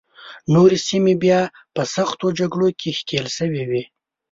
نورې سیمې بیا په سختو جګړو کې ښکېلې شوې وې.